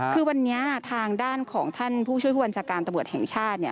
คือวันนี้ทางด้านของท่านผู้ช่วยผู้บัญชาการตำรวจแห่งชาติ